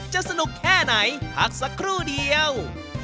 สนุกแค่ไหนพักสักครู่เดียว